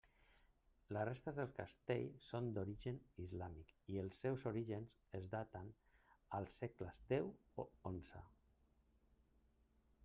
Les restes del castell són d'origen islàmic, i els seus orígens es daten als segles deu o onze.